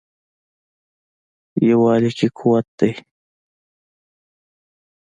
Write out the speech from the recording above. یووالي کې قوت دی.